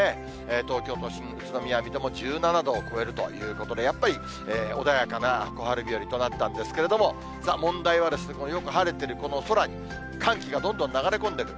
東京都心、宇都宮、水戸も１７度を超えるということで、やっぱり、穏やかな小春日和となったんですけれども、問題は、よく晴れてるこの空に寒気がどんどん流れ込んでくる。